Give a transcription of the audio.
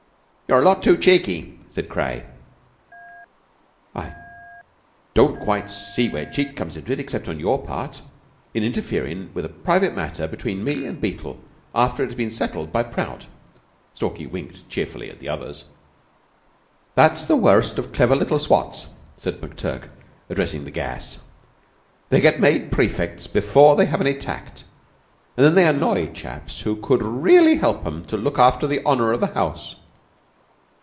"You're a lot too cheeky," said Craye. "I don't quite see where the cheek comes in, except on your part, in interferin' with a private matter between me an' Beetle after it has been settled by Prout." Stalky winked cheerfully at the others. "That's the worst of clever little swots," said McTurk, addressing the gas. "They get made prefects before they have any tact, and then they annoy chaps who could really help 'em to look after the honor of the house."